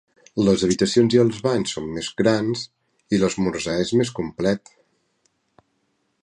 Les habitacions i els banys són més grans i l'esmorzar és més complet.